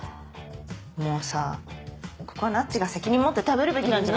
もうここはなっちが責任持って食べるべきなんじゃ。